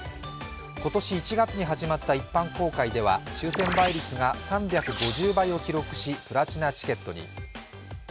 今年１月に始まった一般公開では、抽選倍率が３５０倍を記録し、プラチナチケットに。